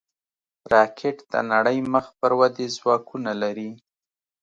راکټ د نړۍ مخ پر ودې ځواکونه لري